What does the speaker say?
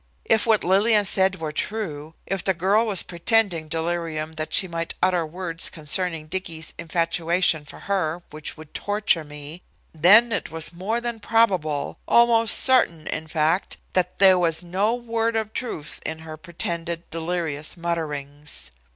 If what Lillian said were true, if the girl was pretending delirium that she might utter words concerning Dicky's infatuation for her which would torture me, then it was more than probable, almost certain, in fact, that there was no word of truth in her pretended delirious mutterings.